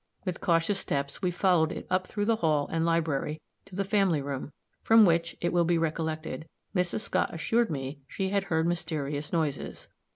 With cautious steps we followed it up through the hall and library, to the family room, from which, it will be recollected, Mrs. Scott assured me she had heard mysterious noises.